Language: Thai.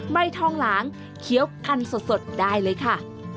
ใบทองหลางเคี้ยวคันสดได้เลยค่ะ